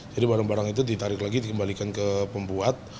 jadi barang barang itu ditarik lagi dikembalikan ke pembuat